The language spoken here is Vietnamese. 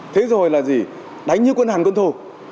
thế rồi là gì đánh như quân hàng quân thù